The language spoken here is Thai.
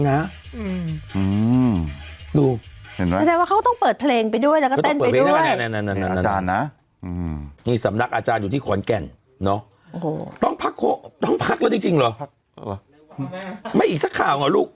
อาจารย์นะนี่สำนักอาจารย์อยู่ที่ขวนแก่นเนอะต้องพักต้องพักแล้วจริงหรอไม่อีกสักข่าวเหรอลูก